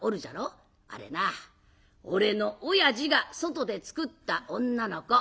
あれな俺のおやじが外でつくった女の子。